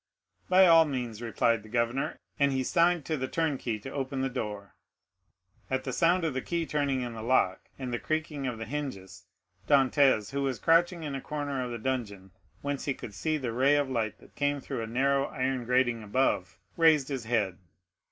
"By all means," replied the governor, and he signed to the turnkey to open the door. At the sound of the key turning in the lock, and the creaking of the hinges, Dantès, who was crouched in a corner of the dungeon, whence he could see the ray of light that came through a narrow iron grating above, raised his head.